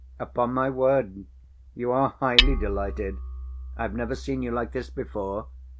"Upon my word! You are highly delighted ... I've never seen you like this before.